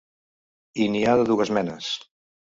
I n’hi ha de dues menes.